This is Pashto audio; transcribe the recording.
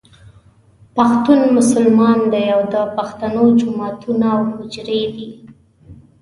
پښتون مسلمان دی او د پښتنو جوماتونه او حجرې دي.